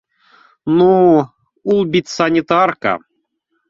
Ну, ул бит санитарка